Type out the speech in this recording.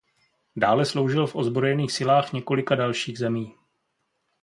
Dále sloužil v ozbrojených silách několika dalších zemí.